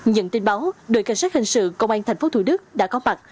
nhận tin báo đội cảnh sát hình sự công an thành phố thủ đức đã có mặt